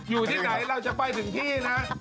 อยู่ที่ไหนเราจะไปถึงที่นะ